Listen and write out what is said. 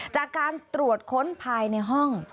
จากการตรวจค้นภายในห้อง